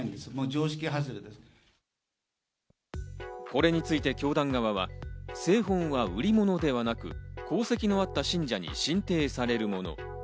これについて教団側は、聖本は売り物ではなく、功績のあった信者に進呈されるもの。